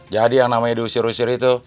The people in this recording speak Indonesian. jadi yang namanya diusir usir itu